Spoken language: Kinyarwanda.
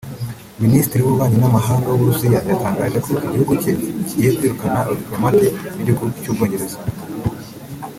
Minisitiri w’Ububanyi n’ mahanga w’Uburusiya yatangaje ko igihugu cye kigiye kwirukana abadipolomate b’igihugu cy’Ubwongereza